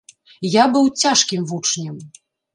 Я быў цяжкім вучнем.